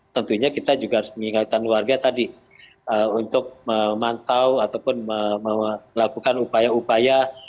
tentunya kita juga harus mengingatkan warga tadi untuk memantau ataupun melakukan upaya upaya